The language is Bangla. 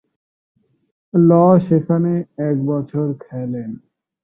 ল সেখানে একবছর খেলেন।